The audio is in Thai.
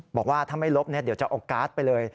บอกว่าถ้าไม่ลบเดี๋ยวจะเอาการ์ดไปเลย